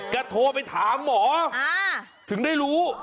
โทรไปถามหมอถึงได้รู้